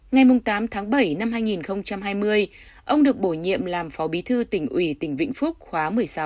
ngày tám tháng bảy năm hai nghìn hai mươi ông được bổ nhiệm làm phó bí thư tỉnh ủy tỉnh vĩnh phúc khóa một mươi sáu